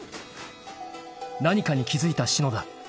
［何かに気付いた篠田。